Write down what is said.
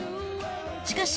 しかし。